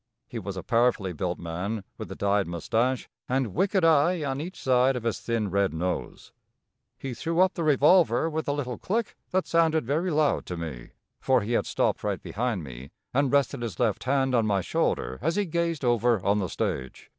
He was a powerfully built man, with a dyed mustache and wicked eye on each side of his thin, red nose. He threw up the revolver with a little click that sounded very loud to me, for he had stopped right behind me and rested his left hand on my shoulder as he gazed over on the stage.